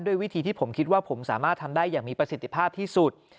วิธีที่ผมคิดว่าผมสามารถทำได้อย่างมีประสิทธิภาพที่สุด